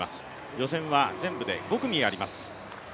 予選は全部で５組あります。